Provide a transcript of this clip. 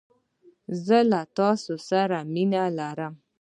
زه له تاسو سره مينه لرم